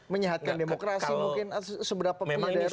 menyehatkan demokrasi mungkin atau seberapa punya daya rusak